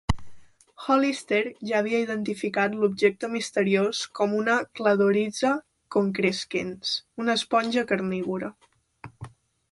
Hollister ja havia identificat l'objecte misteriós com una "Cladorhiza concrescens", una esponja carnívora.